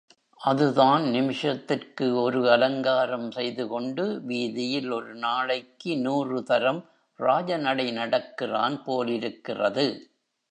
அதுதான் நிமிஷத்திற்கு ஒரு அலங்காரம் செய்துகொண்டு வீதியில் ஒரு நாளைக்கு நூறுதரம் ராஜ நடை நடக்கிறான் போலிருக்கிறது.